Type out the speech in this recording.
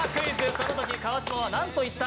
そのとき川島はなんと言った？」